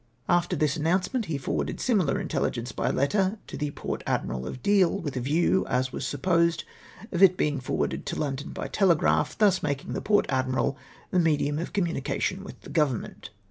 After this announcement he forwarded similar intelligence by letter to the Port Admiral at Deal, with a view — as was supposed — of its being forwarded to London by telegraph ; thus making the Port Admiral the medium of communica tion with the G(jvernment.